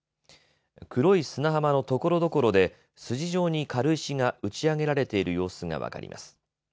黒い砂浜のところどころで筋状に軽石が打ち上げられている様子が分かります。